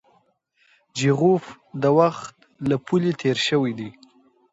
چیخوف د وخت له پولې تېر شوی دی.